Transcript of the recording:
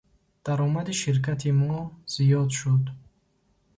Даромади ширкати мо зиёд шуд.